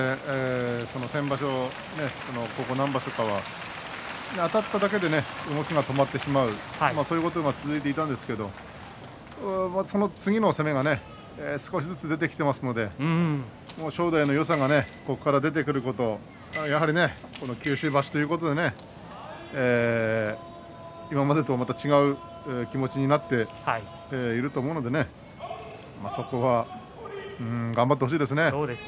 先場所ここ何場所かはあたっただけで動きが止まってしまうそういうことが続いていたんですけどもその次の攻めが、少しずつ出てきていますので正代のよさがここから出てくると九州場所ということで今までと違う気持ちになっていると思うので、そこは頑張ってほしいですね。